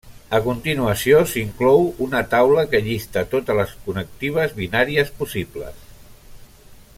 A continuació s'inclou una taula que llista totes les connectives binàries possibles.